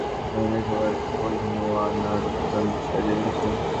সমাধিতে প্রদীপ জ্বালিয়ে দাদুর পছন্দের খাবার খই, মোয়া, নাড়ু-সন্দেশ সাজিয়ে রেখেছেন।